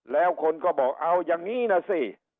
แล้วคนก็บอกเอาอย่างนี้นะสิ